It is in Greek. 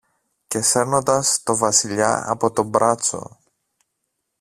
Και σέρνοντας το Βασιλιά από το μπράτσο